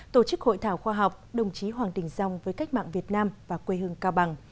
tổ chức hội thảo khoa học đồng chí hoàng đình dông với cách mạng việt nam và quê hương cao bằng